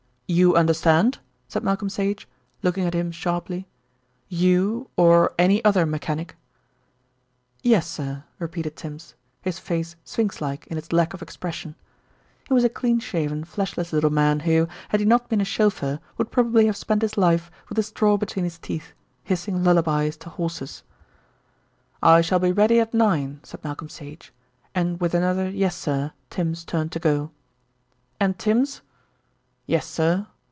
"You understand," said Malcolm Sage, looking at him sharply, "you or any other mechanic?" "Yessir," repeated Tims, his face sphinx like in its lack of expression. He was a clean shaven, fleshless little man who, had he not been a chauffeur, would probably have spent his life with a straw between his teeth, hissing lullabies to horses. "I shall be ready at nine," said Malcolm Sage, and with another "Yessir" Tims turned to go. "And Tims." "Yessir."